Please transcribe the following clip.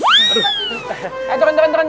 ayo turun turun turun